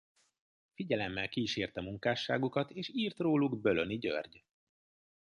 Figyelemmel kísérte munkásságukat és írt róluk Bölöni György.